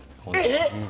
えっ！？